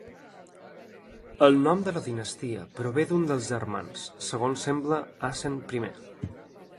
El nom de la dinastia prové d'un dels germans, segons sembla Asen I.